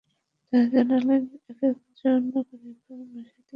তাঁরা জানালেন, একেকজন কারিগর মাসে তিন থেকে সর্বোচ্চ চারটি হারমোনিয়াম বানাতে পারেন।